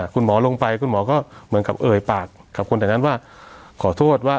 คุณหมอลงไปคุณหมอก็เหมือนกับเอ่ยปากกับคนแต่นั้นว่าขอโทษว่า